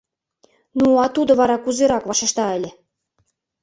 — Ну, а тудо вара кузерак вашешта ыле?